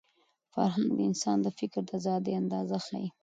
فرهنګ د انسان د فکر د ازادۍ اندازه ښيي.